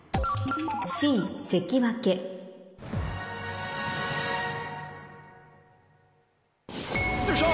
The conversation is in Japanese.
Ｃ「関脇」よっしゃ！